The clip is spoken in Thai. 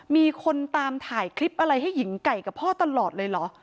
มีคนตามถ่ายคลิปอะไรให้หญิงไก่กับพ่อตลอดเลยเหรอ